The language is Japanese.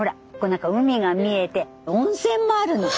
何か海が見えて温泉もあるの。